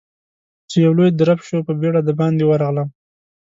چې يو لوی درب شو، په بيړه د باندې ورغلم.